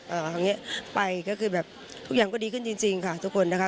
เอออย่างนี้ไปก็คือแบบทุกอย่างก็ดีขึ้นจริงค่ะทุกคนนะคะ